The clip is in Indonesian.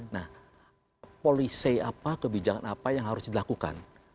nah polisi apa kebijakan apa yang harus dilakukan